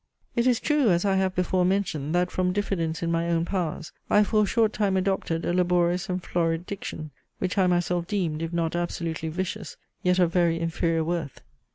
It is true, as I have before mentioned, that from diffidence in my own powers, I for a short time adopted a laborious and florid diction, which I myself deemed, if not absolutely vicious, yet of very inferior worth.